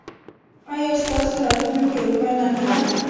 ایا ستاسو راتلونکې روښانه نه ده؟